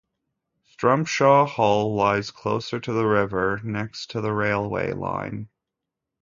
Strumpshaw Hall lies closer to the river, next to the railway line.